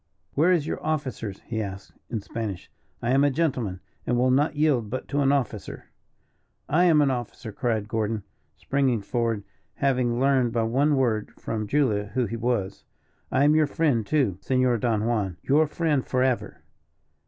"Where is your officer?" he asked, in Spanish. "I am a gentleman, and will not yield but to an officer." "I am an officer," cried Gordon, springing forward, having learned by one word from Julia who he was. "I am your friend, too, Senor Don Juan your friend forever."